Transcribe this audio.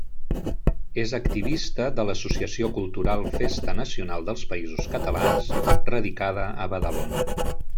És activista de l'Associació Cultural Festa Nacional dels Països Catalans, radicada a Badalona.